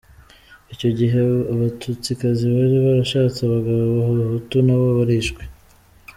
Icyo gihe abatutsikazi bari barashatse abagabo b’abahutu nabo barishwe.